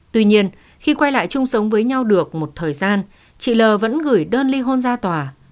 tuy nhiên khi quay lại chung sống với nhau được một thời gian chị l vẫn gửi đơn ly hôn ra tòa